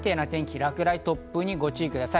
落雷、突風にご注意ください。